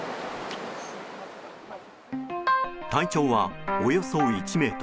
体長はおよそ１ｍ。